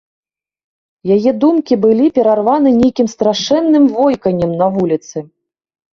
Яе думкі былі перарваны нейкім страшэнным войканнем на вуліцы.